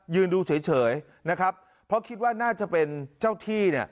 ดูเฉยนะครับเพราะคิดว่าน่าจะเป็นเจ้าที่เนี่ย